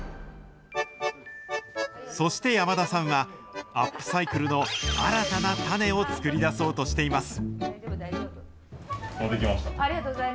そして山田さんは、アップサイクルの新たな種を作り出そうとしています。